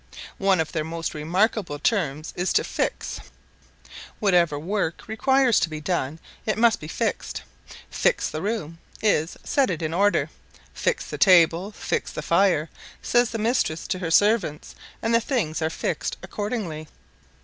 One of their most remarkable terms is to "Fix." Whatever work requires to be done it must be fixed. "Fix the room" is, set it in order. "Fix the table" "Fix the fire," says the mistress to her servants, and the things are fixed accordingly.